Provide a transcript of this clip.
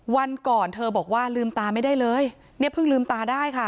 วันก่อนเธอบอกว่าลืมตาไม่ได้เลยเนี่ยเพิ่งลืมตาได้ค่ะ